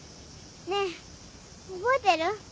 ねぇ覚えてる？